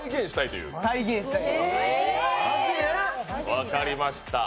分かりました。